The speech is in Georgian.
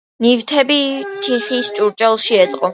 ნივთები თიხის ჭურჭელში ეწყო.